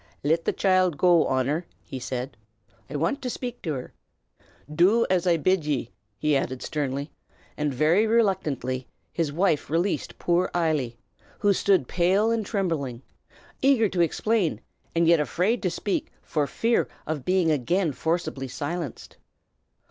"Lit the choild go, Honor," he said. "I want to shpake till her. Do as I bid ye!" he added sternly; and very reluctantly his wife released poor Eily, who stood pale and trembling, eager to explain, and yet afraid to speak for fear of being again forcibly silenced.